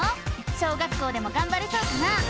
小学校でもがんばれそうかな？